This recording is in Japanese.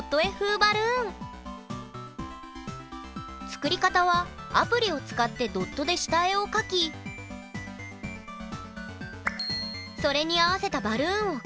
作り方はアプリを使ってドットで下絵を描きそれに合わせたバルーンを組み合わせれば完成！